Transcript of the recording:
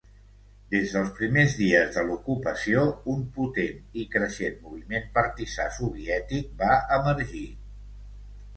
Des dels primers dies de l'ocupació, un potent i creixent moviment partisà soviètic va emergir.